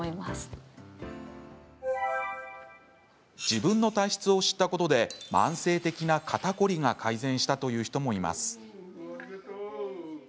自分の体質を知ったことで慢性的な肩こりが改善したという人もいます。